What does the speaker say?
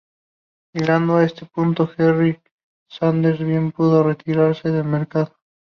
Llegado este punto, Jerry Sanders bien pudo retirarse del mercado.